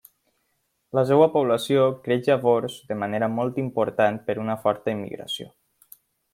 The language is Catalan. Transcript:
La seva població creix llavors de manera molt important per una forta immigració.